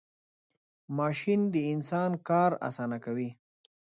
ماشین د انسان کار آسانه کوي .